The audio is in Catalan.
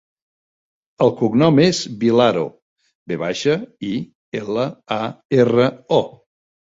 El cognom és Vilaro: ve baixa, i, ela, a, erra, o.